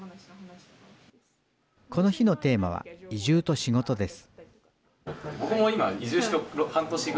この日のテーマは、移住と仕事です。